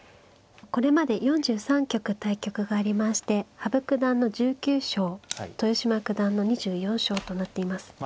これまで４３局対局がありまして羽生九段の１９勝豊島九段の２４勝となっています。